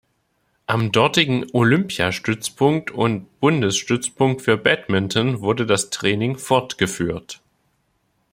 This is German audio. Am dortigen Olympiastützpunkt und Bundesstützpunkt für Badminton wurde das Training fortgeführt.